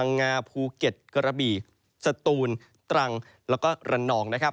งาภูเก็ตกระบี่สตูนตรังแล้วก็ระนองนะครับ